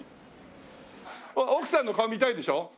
奥さんの顔見たいでしょ？